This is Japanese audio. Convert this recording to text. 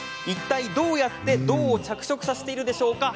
いったい「どう」やって銅を着色させているでしょう？